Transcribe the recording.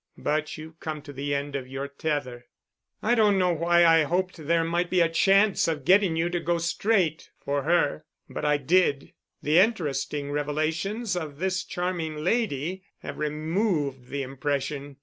But you've come to the end of your tether. I don't know why I hoped there might be a chance of getting you to go straight—for her—but I did. The interesting revelations of this charming lady have removed the impression.